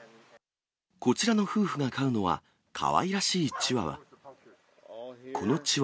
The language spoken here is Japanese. こちらの夫婦が飼うのは、かわいらしいチワワ。